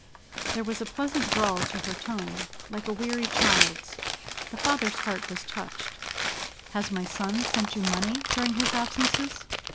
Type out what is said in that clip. There was a pleasant drawl to her tone, like a weary child's. The father's heart was touched. "Has my son sent you money during his absences?"